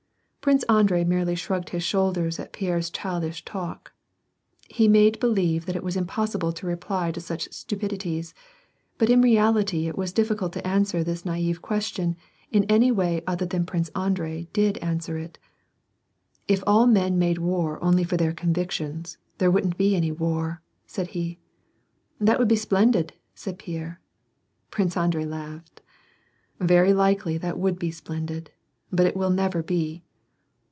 '^ Prince Andrei merely shrugged his shoulders at Pierre's child ish talk. He made believe that it was impossible to reply to such stupidities^ but in reality it was diiticult to answer this naiye question in any other way than Prince Andrei did answer it. ^'If all men made war only for their convictions, there wouldn't be any war," said he. " That would be splendid," said Pierre. Prince Andrei laughed. Very likely that would be splendid, but it will never be."